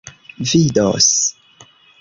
vidos